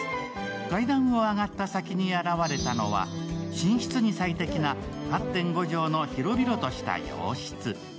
階段を上がった先に現れたのは、寝室に最適な８．５畳の広々とした洋室。